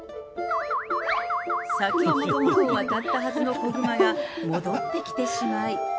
先ほど渡ったはずの子グマが戻ってきてしまい。